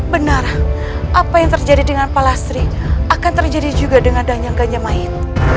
benar apa yang terjadi dengan palastri akan terjadi juga dengan ganjang ganjamain